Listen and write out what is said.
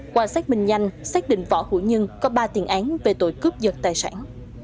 qua xác minh nhanh xác định võ hữu nhân có ba tiền án về tội cướp giật tài sản